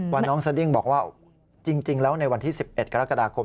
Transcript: น้องสดิ้งบอกว่าจริงแล้วในวันที่๑๑กรกฎาคม